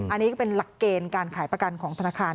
อันนี้ก็เป็นหลักเกณฑ์การขายประกันของธนาคาร